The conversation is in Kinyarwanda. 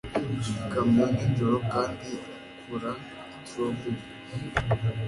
ikamyo nijoro, kandi ikura strawberry